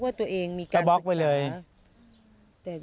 ไม่อยากให้มองแบบนั้นจบดราม่าสักทีได้ไหม